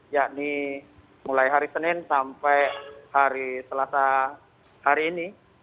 yakni mulai hari senin sampai hari selasa hari ini